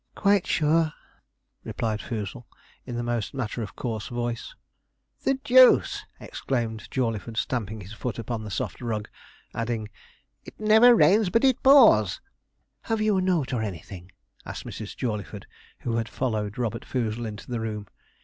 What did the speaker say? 'Quite sure,' replied Foozle, in the most matter of course voice. [Illustration: MR. ROBERT FOOZLE] 'The deuce!' exclaimed Jawleyford, stamping his foot upon the soft rug, adding, 'it never rains but it pours!' 'Have you any note, or anything?' asked Mrs. Jawleyford, who had followed Robert Foozle into the room.